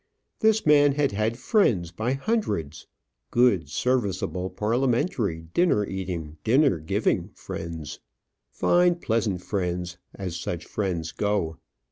This man had had friends by hundreds; good, serviceable, parliamentary, dinner eating, dinner giving friends; fine, pleasant friends, as such friends go.